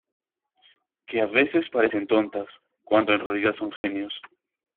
que a veces parecen tontas cuando en realidad son genios.